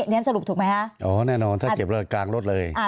เนี้ยสรุปถูกไหมฮะอ๋อแน่นอนถ้าเจ็บเร็วกลางรถเลยอ่า